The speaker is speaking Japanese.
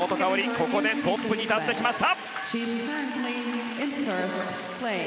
ここでトップに立ってきました！